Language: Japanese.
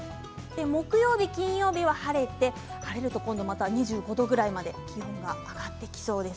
木曜日、金曜日は晴れて晴れると今度は２５度くらいまで気温が上がっていきそうです。